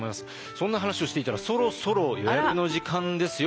そんな話をしていたらそろそろ予約の時間ですよこれ。